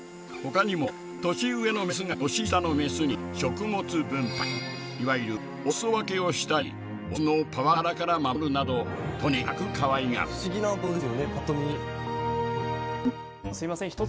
ほかにも年上のメスが年下のメスに食物分配いわゆるお裾分けをしたりオスのパワハラから守るなどとにかくかわいがる。